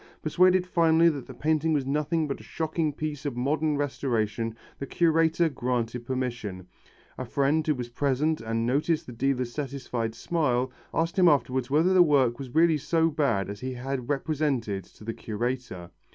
Persuaded finally that the painting was nothing but a shocking piece of modern restoration the curator granted permission. A friend who was present and noticed the dealer's satisfied smile, asked him afterwards whether the work was really so bad as he had represented to the curator.